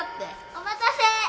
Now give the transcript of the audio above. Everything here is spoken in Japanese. お待たせ！